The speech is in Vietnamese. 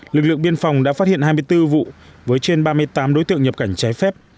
lực lượng biên phòng đã phát hiện hai mươi bốn vụ với trên ba mươi tám đối tượng nhập cảnh trái phép